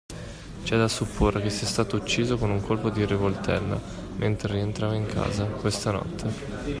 C'è da supporre che sia stato ucciso con un colpo di rivoltella, mentre rientrava in casa, questa notte.